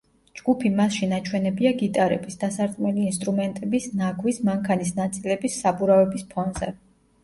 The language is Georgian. ჯგუფი მასში ნაჩვენებია გიტარების, დასარტყმელი ინსტრუმენტების, ნაგვის, მანქანის ნაწილების, საბურავების ფონზე.